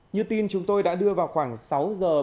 như tin chúng tôi đã đăng ký kênh để nhận thông tin nhất